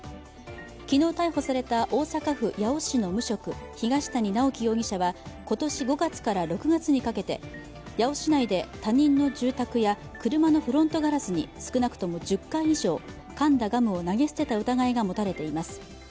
昨日逮捕された大阪府八尾市の無職・東谷直樹容疑者は今年５月から６月にかけて、八尾市内で他人の住宅や車のフロントガラスに少なくとも１０回以上、かんだガムを投げ捨てた疑いが持たれています。